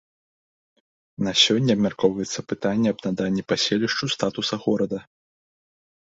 На сёння абмяркоўваецца пытанне аб наданні паселішчу статуса горада.